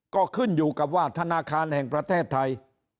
ก็ขึ้นอยู่กับว่าธนาคารแห่งประเทศไทย